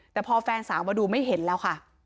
แต่พอแฟนสาวมาดูไม่เห็นแล้วค่ะ